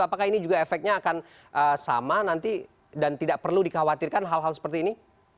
apakah ini juga efeknya akan sama nanti dan tidak perlu dikhawatirkan hal hal seperti ini